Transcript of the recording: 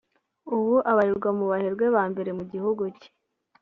ubu abarirwa mu baherwe ba mbere mu gihugu cye